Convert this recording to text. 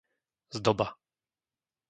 Zdoba